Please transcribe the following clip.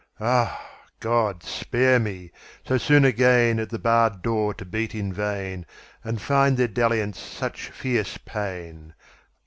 Ah, God, spare me—so soon againAt the barred door to beat in vain, And find their dalliance such fierce pain!